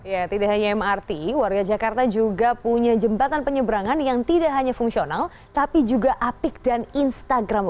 ya tidak hanya mrt warga jakarta juga punya jembatan penyeberangan yang tidak hanya fungsional tapi juga apik dan instagramab